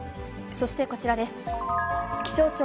そしてこちらです。